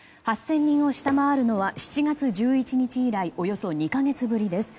８０００人を下回るのは７月１１日以来およそ２か月ぶりです。